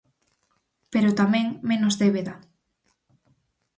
Pero tamén, menos débeda.